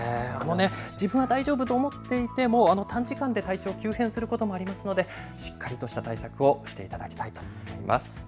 自分は大丈夫と思っていても短時間で体調、急変することもありますのでしっかりとした対策をしていただきたいと思います。